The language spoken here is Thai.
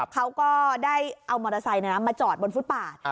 เขาก็ได้เอามอเตอร์ไซค์มาจอดบนฟุตปาด